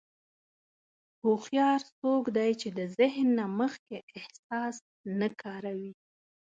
هوښیار څوک دی چې د ذهن نه مخکې احساس نه کاروي.